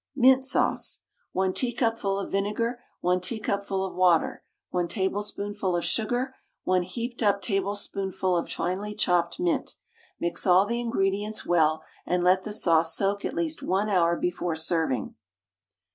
MINT SAUCE. 1 teacupful of vinegar, 1 teacupful of water, 1 tablespoonful of sugar, 1 heaped up tablespoonful of finely chopped mint. Mix all the ingredients well, and let the sauce soak at least 1 hour before serving.